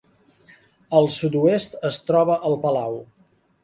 Al sud-oest es troba el palau.